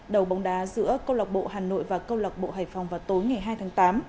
đầu bóng đá giữa công lọc bộ hà nội và công lọc bộ hải phòng vào tối ngày hai tháng tám